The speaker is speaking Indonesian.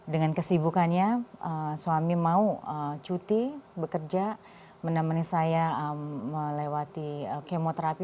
dengan kesibukannya suami mau cuti bekerja menemani saya melewati kemoterapi